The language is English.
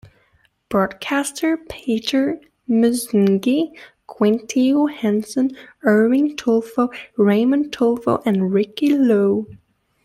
Broadcaster Peter Musngi, Quinito Henson, Erwin Tulfo, Ramon Tulfo and Ricky Lo.